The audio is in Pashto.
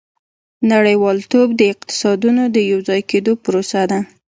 • نړیوالتوب د اقتصادونو د یوځای کېدو پروسه ده.